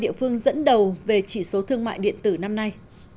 địa phương dẫn đầu về chỉ số thương mại điện tử năm nay